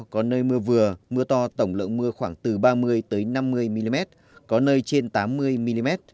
có nơi mưa vừa mưa to tổng lượng mưa khoảng từ ba mươi năm mươi mm có nơi trên tám mươi mm